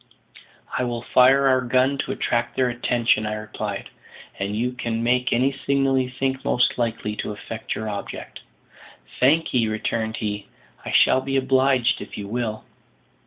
"I will fire our gun to attract their attention," I replied, "and you can make any signal you think most likely to effect your object." "Thank 'ee," returned he; "I shall be obliged if you will."